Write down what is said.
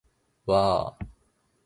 わああああ